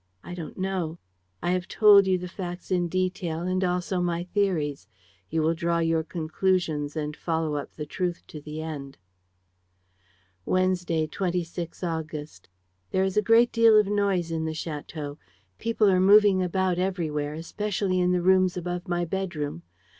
I don't know. I have told you the facts in detail and also my theories. You will draw your conclusions and follow up the truth to the end. "Wednesday, 26 August. "There is a great deal of noise in the château. People are moving about everywhere, especially in the rooms above my bedroom.